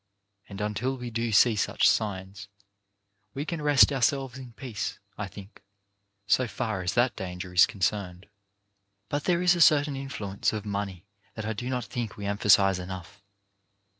And until we do see such signs, we can rest ourselves in peace, I think, so far as that danger is concerned. But there is a certain influence of money that I do not think we emphasize enough.